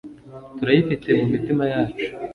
turayifite mu mitima yacu